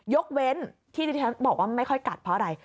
ยกเว้นที่ที่ฉันบอกว่าไม่ค่อยกัดเพราะอะไร